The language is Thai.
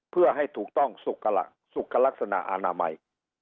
เพื่อให้ถูกต้องสุขลักษณะอนามัย